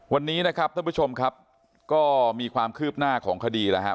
วันนี้นะครับท่านผู้ชมครับก็มีความคืบหน้าของคดีแล้วครับ